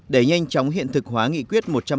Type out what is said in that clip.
để nhanh chóng hiện thực hóa nghị quyết